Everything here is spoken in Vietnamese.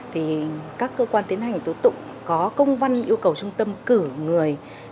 thì các cơ quan tiến hành tố tụng có công văn yêu cầu trung tâm cử người